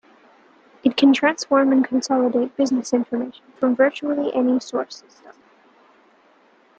It can transform and consolidate business information from virtually any source system.